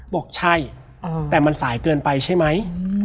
บอกใช่แต่มันสายเกินไปใช่ไหม